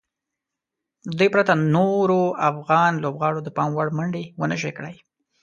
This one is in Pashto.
له دوی پرته نورو افغان لوبغاړو د پام وړ منډې ونشوای کړای.